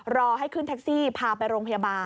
รอให้ขึ้นแท็กซี่พาไปโรงพยาบาล